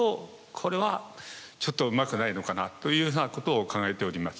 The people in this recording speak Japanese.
これはちょっとうまくないのかなというふうなことを考えております。